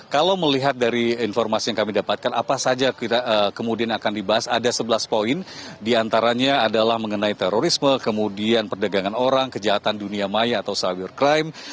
kalau melihat dari informasi yang kami dapatkan apa saja kemudian akan dibahas ada sebelas poin diantaranya adalah mengenai terorisme kemudian perdagangan orang kejahatan dunia maya atau cyber crime